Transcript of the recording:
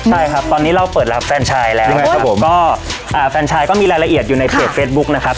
ใช่ครับตอนนี้เราเปิดรับแฟนชายแล้วนะครับผมก็อ่าแฟนชายก็มีรายละเอียดอยู่ในเพจเฟซบุ๊คนะครับ